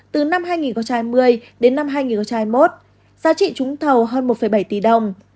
từ năm hai nghìn hai mươi đến năm hai nghìn hai mươi một giá trị trúng thầu hơn một bảy tỷ đồng